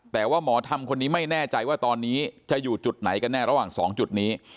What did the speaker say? แต่ว่าหมอธรรมคนนี้ไม่แน่ใจว่าตอนนี้จะอยู่จุดไหนกันแน่ระหว่าง๒จุดนี้